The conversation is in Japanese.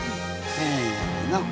せの。